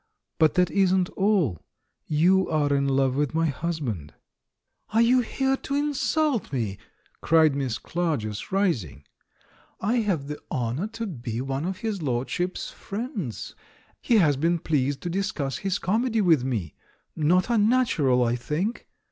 But that isn't all — you are in love with my husband." "Are you here to insult me?" cried Miss Clarg THE BISHOP'S COMEDY 357 es, rising. "I have the honour to be one of his lordship's friends, he has been pleased to discuss his comedy with me. Not unnatural, I think?